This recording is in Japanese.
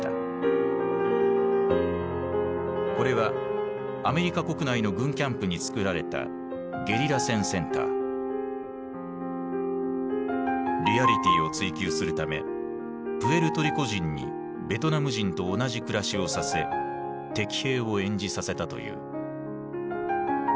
これはアメリカ国内の軍キャンプにつくられたリアリティーを追求するためプエルトリコ人にベトナム人と同じ暮らしをさせ敵兵を演じさせたという。